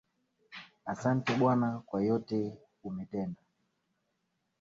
Asante bwana kwa yote umetenda